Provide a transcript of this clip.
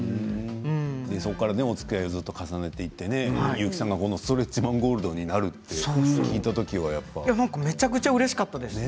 そこから、おつきあいをずっと重ねていって結城さんが「ストレッチマン・ゴールド」にめちゃくちゃうれしかったです。